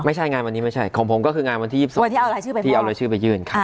ไม่ใช่งานวันนี้ไม่ใช่ของผมก็คืองานวันที่๒๒ที่เอารายชื่อไปยื่น